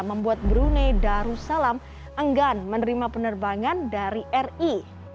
membuat brunei darussalam enggan menerima penerbangan dari ri